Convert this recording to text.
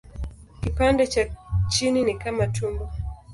Kipande cha chini ni kama tumbo.